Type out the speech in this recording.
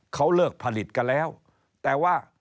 เขาเลิกผลิตกันแล้วแต่ว่า